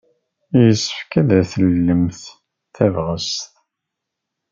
Yessefk ad tlemt tabɣest.